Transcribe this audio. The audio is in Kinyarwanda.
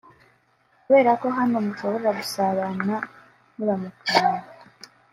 kubera ko hano mushobora gusabana muramukanya